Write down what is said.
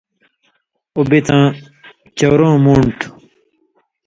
اُو بِڅاں چؤرؤں مُون٘ڈ تُھُو